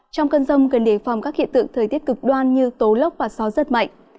trong cơn rông cần đề phòng các hiện tượng thời tiết cực đoan như tố lốc và gió rất mạnh